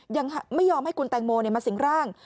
ยังไม่ยอมให้คุณแตงโมมาสิงร่าง